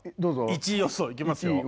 １位予想いきますよ。